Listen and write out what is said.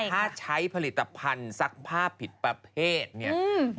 ถ้าใช้ผลิตภัณฑ์ซักผ้าผิดประเภทเนี่ย